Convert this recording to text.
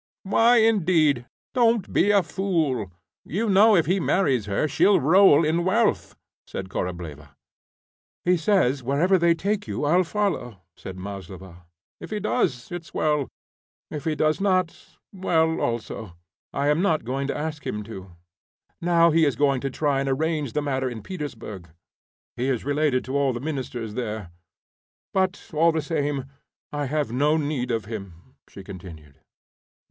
"Why, indeed! Don't be a fool! You know if he marries her she'll roll in wealth," said Korableva. "He says, 'Wherever they take you, I'll follow,'" said Maslova. "If he does, it's well; if he does not, well also. I am not going to ask him to. Now he is going to try and arrange the matter in Petersburg. He is related to all the Ministers there. But, all the same, I have no need of him," she continued.